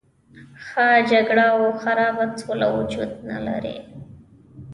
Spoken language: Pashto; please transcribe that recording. ښه جګړه او خرابه سوله وجود نه لري.